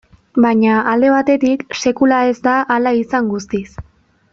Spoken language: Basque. Baina alde batetik, sekula ez da hala izan guztiz.